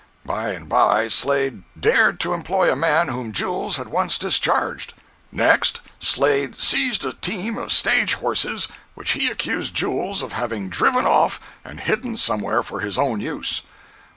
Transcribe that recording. By and by Slade dared to employ a man whom Jules had once discharged. Next, Slade seized a team of stage horses which he accused Jules of having driven off and hidden somewhere for his own use.